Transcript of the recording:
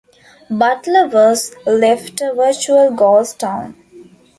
Butler was left a virtual ghost town.